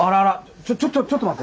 ちょっちょっと待って。